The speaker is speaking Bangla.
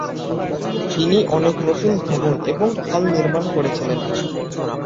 তিনি অনেক নতুন ভবন এবং খাল নির্মাণ করেছিলেন।